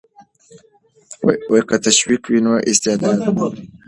که تشویق وي نو استعداد نه مري.